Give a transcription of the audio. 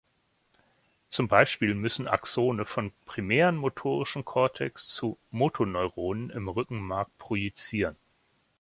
Zum Beispiel müssen Axone vom "primären motorischen Kortex" zu "Motoneuronen" im Rückenmark projizieren.